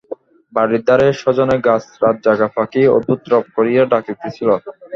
বাড়ীর ধারেই সজনে গাছে রাতজাগা পাখী অদ্ভুত রব করিয়া ডাকিতেছিল।